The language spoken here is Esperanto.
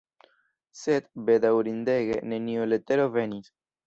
Sed, bedaŭrindege, neniu letero venis!